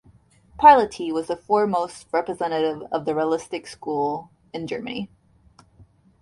Piloty was the foremost representative of the realistic school in Germany.